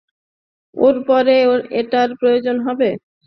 ওর পরে এটার প্রয়োজন হবে।